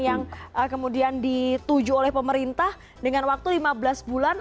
yang kemudian dituju oleh pemerintah dengan waktu lima belas bulan